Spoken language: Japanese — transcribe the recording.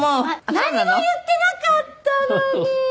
何も言ってなかったのに。